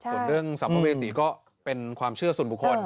ส่วนเรื่องสัมภเวษีก็เป็นความเชื่อส่วนบุคคล